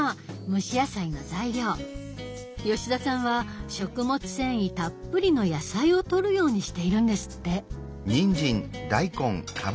吉田さんは食物繊維たっぷりの野菜をとるようにしているんですって。